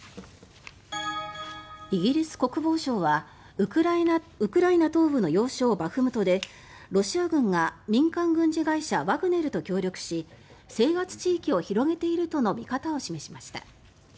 イギリス国防省はウクライナ東部の要衝バフムトでロシア軍が民間軍事会社ワグネルと協力し制圧地域を広げているとの見方を示しました。